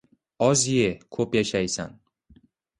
• Oz ye — ko‘p yashaysan.